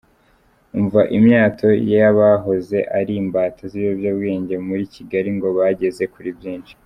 Umva imyato y’abahoze ari imbata z’ibiyobyabwenge muri Kigali, ngo bageze kuri byinshi.